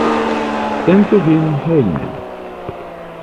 Sentu vin hejme!